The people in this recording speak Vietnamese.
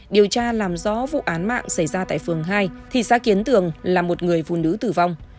điều tra làm rõ vụ án mạng xảy ra tại phường hai thì xác kiến tưởng là một người phụ nữ tử vong